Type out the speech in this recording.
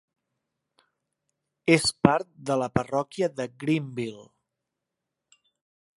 És part de la parròquia de Greenville.